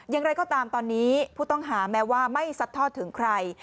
อย่างไรก็ตามตอนนี้ผู้ต้องหาแม้ว่าไม่ซัดทอดถึงใคร